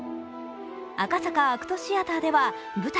赤坂ＡＣＴシアターでは舞台